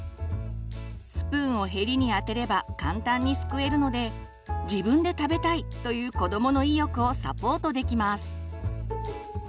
スプーンをヘリに当てれば簡単にすくえるので「自分で食べたい」という子どもの意欲をサポートできます。